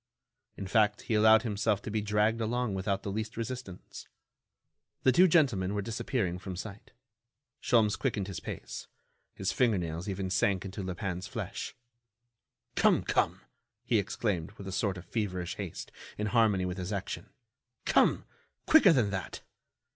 In fact, he allowed himself to be dragged along without the least resistance. The two gentlemen were disappearing from sight. Sholmes quickened his pace. His finger nails even sank into Lupin's flesh. "Come! Come!" he exclaimed, with a sort of feverish haste, in harmony with his action. "Come! quicker than that."